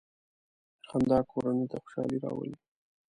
• خندا کورنۍ ته خوشحالي راولي.